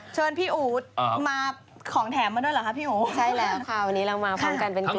เชิญพี่อู๋ดมาของแถมมาด้วยเหรอคะพี่โอ๋ใช่แล้วค่ะวันนี้เรามาฟังกันเป็นกลุ่ม